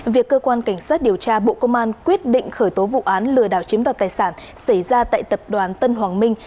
việc cơ quan cảnh sát điều tra bộ công an quyết định khởi tố vụ án lừa đảo chiếm đoạt tài sản xảy ra tại tập đoàn tân hoàng minh